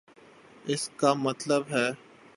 اس کا مطلب ہے۔